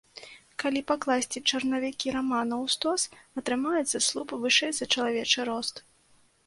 Калі пакласці чарнавікі рамана ў стос, атрымаецца слуп вышэй за чалавечы рост.